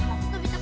tidak tidak tidak